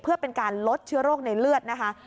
เพื่อเป็นการลดเชื้อโรคในเลือดนะคะ